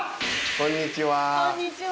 こんにちは。